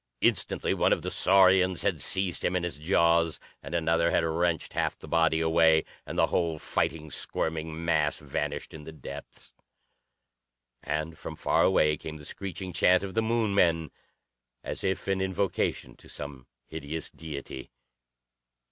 Instantly one of the saurians had seized him in its jaws, and another had wrenched half the body away, and the whole fighting, squirming mass vanished in the depths. And from far away came the screeching chant of the Moon men, as if in invocation to some hideous deity.